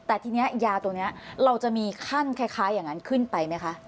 แต่ทีนี้ยาตัวนี้เราจะมีขั้นคล้ายอย่างนั้นขึ้นไปไหมคะ